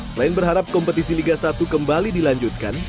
selain berharap kompetisi liga satu kembali dilanjutkan